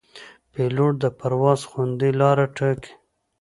پیلوټ د پرواز خوندي لاره ټاکي.